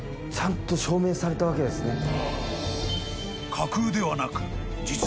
［架空ではなく］